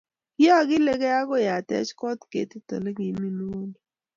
Kiakileki akoi atech kot akeit olekimii mguno